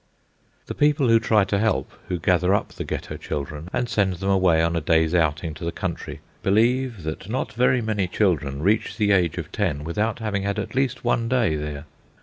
The people who try to help, who gather up the Ghetto children and send them away on a day's outing to the country, believe that not very many children reach the age of ten without having had at least one day there.